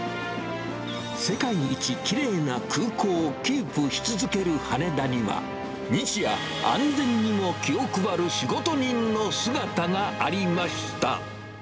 世界一きれいな空港をキープし続ける羽田には、日夜、安全にも気を配る仕事人の姿がありました。